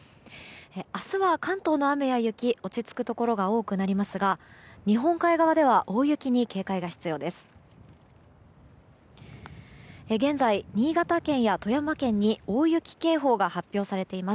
明日は関東の雨や雪落ち着くところが多くなりますが日本海側では大雪に警戒が必要です。